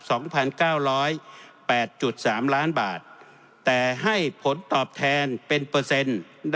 สองพันเก้าร้อยแปดจุดสามล้านบาทแต่ให้ผลตอบแทนเป็นเปอร์เซ็นต์